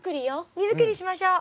荷造りしましょう。